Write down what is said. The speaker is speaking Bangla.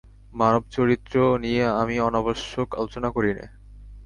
মানবচরিত্র নিয়ে আমি অনাবশ্যক আলোচনা করি নে।